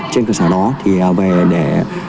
trên cơ sở đó thì về để